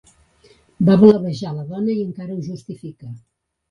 Va blavejar la dona i encara ho justifica.